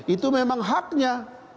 itu memang haknya